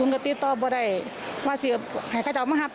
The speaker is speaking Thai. วิ่งไปก่อนครับ